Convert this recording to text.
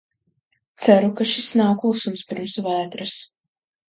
Ceru, ka šis nav klusums pirms vētras.